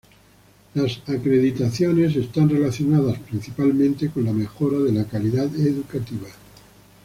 Las acreditaciones están relacionadas principalmente con la mejora de la calidad educativa.